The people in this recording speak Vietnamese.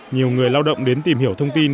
nhiều người lao động đến tìm hiểu thông tin